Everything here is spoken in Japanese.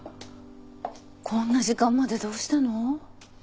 こんな時間までどうしたの？